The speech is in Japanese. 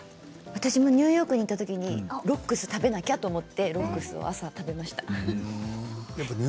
私もニューヨークに行ったときにロックスを食べなきゃって、朝食べました。